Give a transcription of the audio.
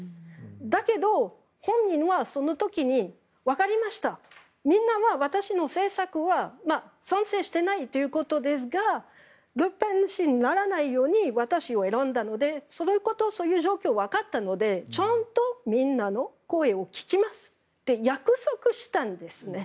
だけど、本人はその時にわかりましたみんなは私の政策は賛成してないということですがルペン氏にならないように私を選んだのでそのこと、その状況をわかったのでちゃんとみんなの声を聞きますって約束したんですね。